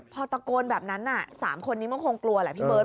พอตะโกนแบบนั้น๓คนนี้มันคงกลัวแหละพี่เบิร์ต